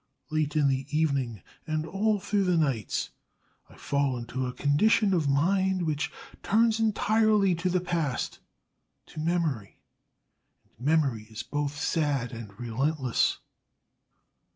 Late in the evening and all through the nights, I fall into a condition of mind which turns entirely to the past to memory, and memory is both sad and relentless.